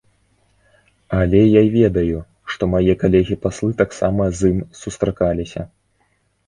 Але я ведаю, што мае калегі-паслы таксама з ім сустракаліся.